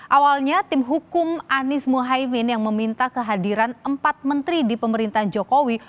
awalnya tim hukum anies mohaimin yang meminta kehadiran empat menteri di pemerintahan jokowi